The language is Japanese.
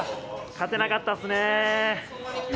勝てなかったっすね。